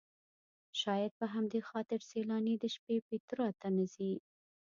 شاید په همدې خاطر سیلاني د شپې پیترا ته نه ځي.